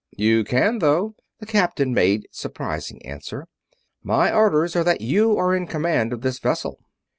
"You can, though," the captain made surprising answer. "My orders are that you are in command of this vessel."